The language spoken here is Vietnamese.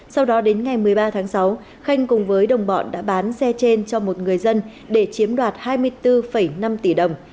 sau đó đến ngày một mươi ba tháng sáu khanh cùng với đồng bọn đã bán xe trên cho một người dân để chiếm đoạt hai mươi bốn năm tỷ đồng